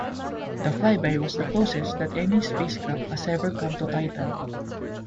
The flyby was the closest that any spacecraft has ever come to Titan.